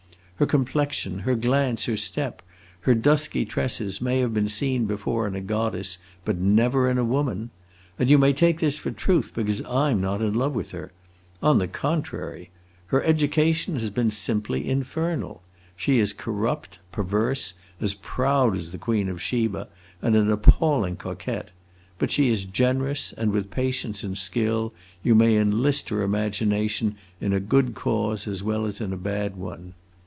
Her complexion, her glance, her step, her dusky tresses, may have been seen before in a goddess, but never in a woman. And you may take this for truth, because I 'm not in love with her. On the contrary! Her education has been simply infernal. She is corrupt, perverse, as proud as the queen of Sheba, and an appalling coquette; but she is generous, and with patience and skill you may enlist her imagination in a good cause as well as in a bad one.